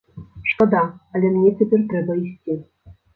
Шкада, але мне цяпер трэба ісці.